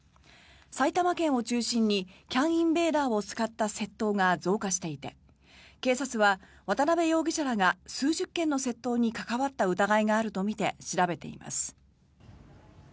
埼玉県を中心にＣＡＮインベーダーを使った窃盗が増加していて警察は渡邉容疑者らが数十件の窃盗に関わった疑いがあるとみて調べています。